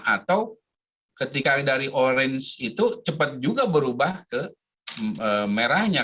atau ketika dari orange itu cepat juga berubah ke merahnya